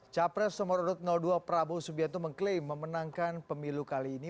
capres nomor dua prabowo subianto mengklaim memenangkan pemilu kali ini